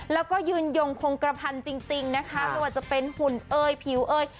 แล้วก็ยืนยงคงกระพันจริงจริงนะคะสวัสดีจะเป็นหุ่นเอ้ยผิวเอ้ย